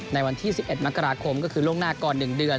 ในวันที่๑๑มกราคมก็คือล่วงหน้าก่อน๑เดือน